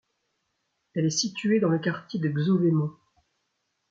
Elle est située dans le quartier de Xhovémont.